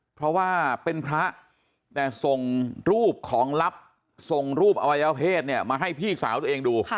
เพราะว่าเป็นพระแต่ส่งรูปของลับส่งรูปอวัยวเพศเนี่ยมาให้พี่สาวตัวเองดู